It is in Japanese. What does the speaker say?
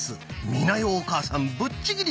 美奈代お母さんぶっちぎり！